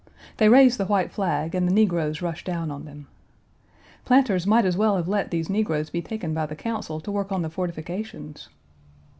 They raise the white flag and the negroes rush down on them. Planters might as well have let these negroes be taken by the Council to work on the fortifications.